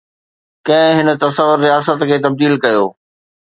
ڪنهن هن تصور رياست کي تبديل ڪيو؟